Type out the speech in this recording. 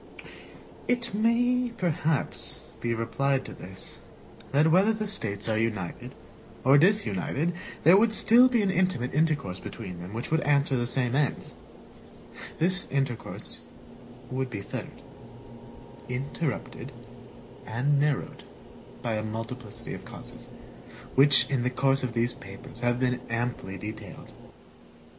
It may perhaps be replied to this, that whether the States are united or disunited, there would still be an intimate intercourse between them which would answer the same ends; this intercourse would be fettered, interrupted, and narrowed by a multiplicity of causes, which in the course of these papers have been amply detailed.